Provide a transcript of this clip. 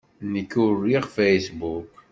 Nekk ur riɣ Facebook.